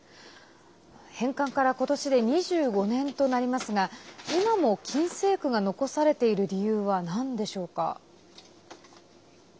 返還からことしで２５年となりますが今も禁制区が残されている理由はなんでしょうか？